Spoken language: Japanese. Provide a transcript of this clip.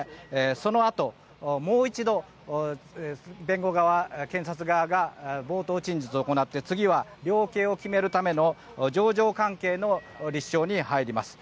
そのあともう一度、弁護側検察側が冒頭陳述を行って次は量刑を決めるための情状関係の立証に入ります。